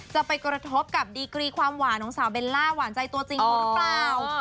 จะไปกระทบกับดีกรีความหวานของสาวเบลล่าหวานใจตัวจริงเขาหรือเปล่า